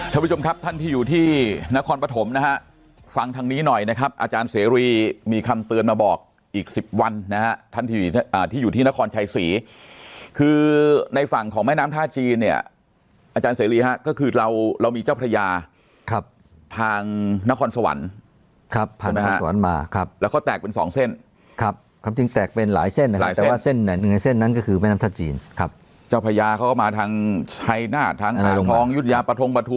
ท่านผู้ชมครับท่านที่อยู่ที่นครปฐมนะฮะฟังทางนี้หน่อยนะครับอาจารย์เสรีมีคำเตือนมาบอกอีกสิบวันนะฮะท่านที่อยู่ที่นครชายศรีคือในฝั่งของแม่น้ำท่าจีนเนี่ยอาจารย์เสรีฮะก็คือเรามีเจ้าพระยาครับทางนครสวรรค์ครับทางนครสวรรค์มาครับแล้วก็แตกเป็นสองเส้นครับครับจริงแตกเป็นหลายเส้นหลายเส้นแต่ว